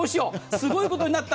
すごいことになった。